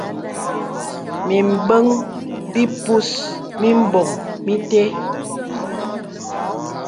Mìmbəŋ bìpus mìmboŋ mìtə́.